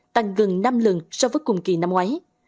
tăng gần năm lần so với cùng kỳ năm ngoái